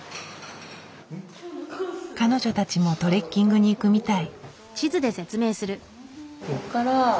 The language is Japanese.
彼女たちもトレッキングに行くみたい。